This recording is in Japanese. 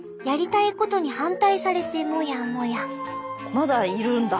まだいるんだ。